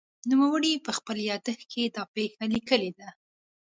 نوموړي په خپل یادښت کې دا پېښه لیکلې ده.